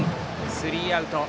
スリーアウト。